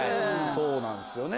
そうなんすよね。